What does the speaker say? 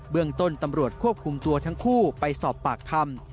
เมืองต้นตำรวจควบคุมตัวทั้งคู่ไปสอบปากคำ